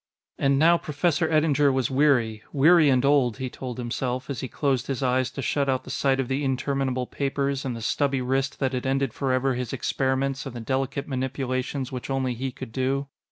And now Professor Eddinger was weary weary and old, he told himself as he closed his eyes to shut out the sight of the interminable papers and the stubby wrist that had ended forever his experiments and the delicate manipulations which only he could do.